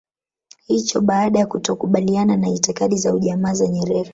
hicho baada ya kutokukubaliana na itikadi za ujamaa za Nyerere